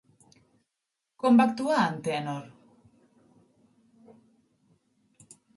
Com va actuar Antènor?